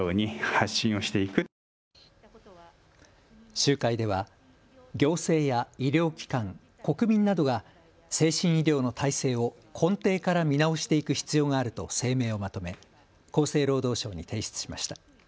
集会では行政や医療機関、国民などが精神医療の体制を根底から見直していく必要があると声明をまとめ厚生労働省に提出しました。